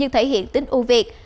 tính ưu việt